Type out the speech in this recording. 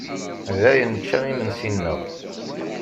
Dayen, nečča imensi-nneɣ.